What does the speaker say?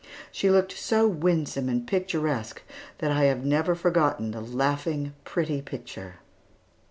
She looked so winsome and picturesque that I have never forgotten the laughing, pretty picture.